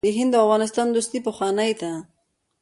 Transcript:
د هند او افغانستان دوستي پخوانۍ ده.